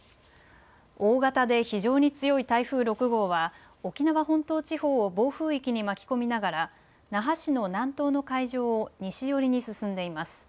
大型で非常に強い台風６号は沖縄本島地方を暴風域に巻き込みながら那覇市の南東の海上を西寄りに進んでいます。